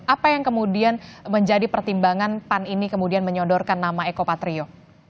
apa yang kemudian menjadi pertimbangan pan ini kemudian menyodorkan nama eko patrio